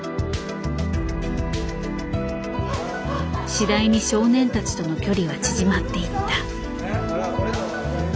次第に少年たちとの距離は縮まっていった。